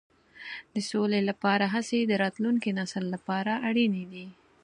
د سولې لپاره هڅې د راتلونکي نسل لپاره اړینې دي.